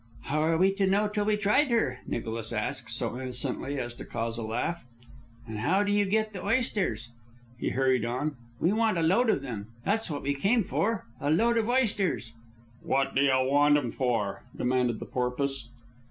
"How were we to know till we tried her?" Nicholas asked, so innocently as to cause a laugh. "And how do you get the oysters?" he hurried on. "We want a load of them; that's what we came for, a load of oysters." "What d'ye want 'em for?" demanded the Porpoise.